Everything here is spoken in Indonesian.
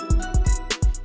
bisa masuk sih